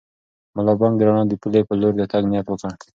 ملا بانګ د رڼا د پولې په لور د تګ نیت وکړ.